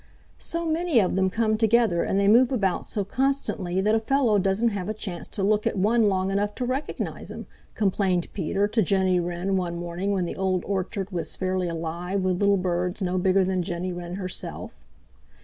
"So many of them come together and they move about so constantly that a fellow doesn't have a chance to look at one long enough to recognize him," complained Peter to Jenny Wren one morning when the Old Orchard was fairly alive with little birds no bigger than Jenny Wren herself.